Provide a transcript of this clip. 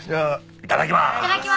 いただきます。